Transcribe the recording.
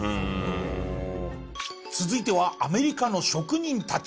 続いてはアメリカの職人たち。